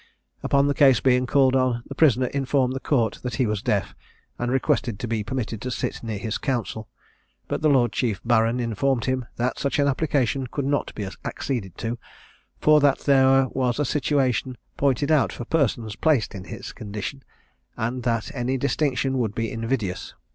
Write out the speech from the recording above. Upon the case being called on, the prisoner informed the Court that he was deaf, and requested to be permitted to sit near his counsel, but the Lord Chief Baron informed him, that such an application could not be acceded to, for that there was a situation pointed out for persons placed in his condition, and that any distinction would be invidious.